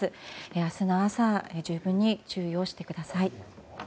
明日の朝十分に注意をしてください。